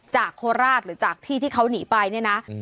จากโคลาสหรือจากที่ที่เขาหนีไปเนี่ยนะอืม